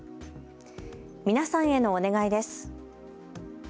皆さんへのお願いです。